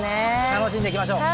楽しんでいきましょう！